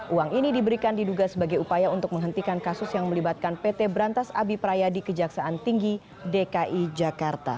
uang ini diberikan diduga sebagai upaya untuk menghentikan kasus yang melibatkan pt berantas abipraya di kejaksaan tinggi dki jakarta